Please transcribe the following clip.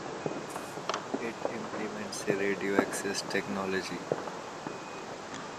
It implements a radio access technology.